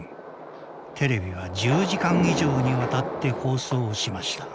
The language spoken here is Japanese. テレビは１０時間以上にわたって放送しました。